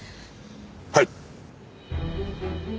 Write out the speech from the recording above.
はい！